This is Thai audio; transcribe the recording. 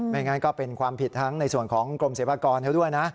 งั้นก็เป็นความผิดทั้งในส่วนของกรมศิลปากรเขาด้วยนะ